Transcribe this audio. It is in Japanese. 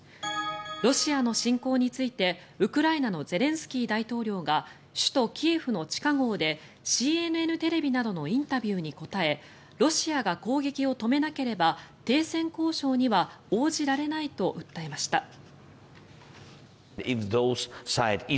ロシアの侵攻についてウクライナのゼレンスキー大統領が首都キエフの地下壕でＣＮＮテレビなどのインタビューに答えロシアが攻撃を止めなければ停戦交渉には応じられないと訴えました。